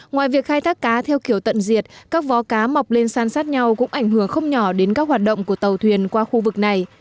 ngoài việc khai thác cá theo kiểu tận diệt các vó cá mọc lên san sát nhau cũng ảnh hưởng không nhỏ đến các hoạt động của tàu thuyền qua khu vực này